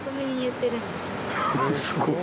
すごい。